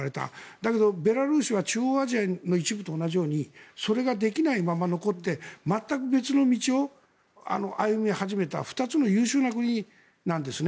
だけど、ベラルーシは中央アジアの一部と同じようにそれができないまま残って全く別の道を歩み始めた２つの優秀な国なんですね。